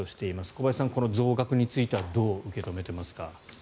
小林さん、この増額についてはどう受け止めていますか？